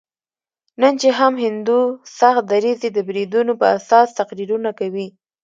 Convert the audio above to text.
نن چې هم هندو سخت دریځي د بریدونو په اساس تقریرونه کوي.